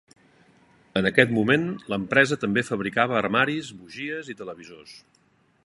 En aquest moment l'empresa també fabricava armaris, bugies i televisors.